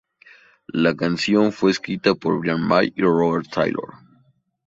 La canción fue escrita por Brian May y Roger Taylor.